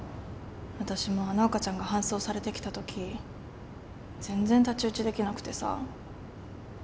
私もあの赤ちゃんが搬送されてきたとき全然太刀打ちできなくてさ。